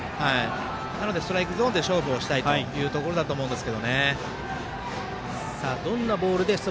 なので、ストライクゾーンで勝負したいということだと思います。